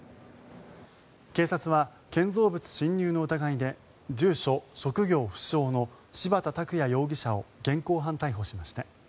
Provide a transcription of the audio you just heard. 警察は、建造物侵入の疑いで住所・職業不詳の柴田卓也容疑者を現行犯逮捕しました。